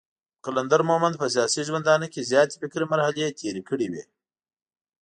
قلندر مومند په سياسي ژوندانه کې زياتې فکري مرحلې تېرې کړې وې.